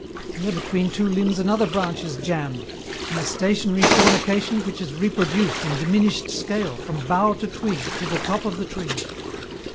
Here between two limbs another branch is jammed, in a stationary fornication which is reproduced in diminished scale from bough to twig to the top of the tree.